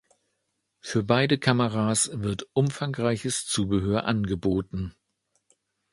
Für beide Kameras wird umfangreiches Zubehör angeboten.